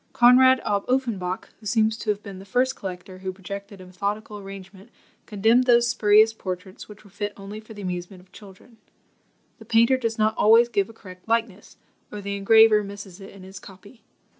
Conrad ab Uffenbach, who seems to have been the first collector who projected a methodical arrangement, condemned those spurious portraits which were fit only for the amusement of children. The painter does not always give a correct likeness, or the engraver misses it in his copy.